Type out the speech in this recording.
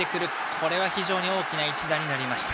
これは非常に大きな一打になりました。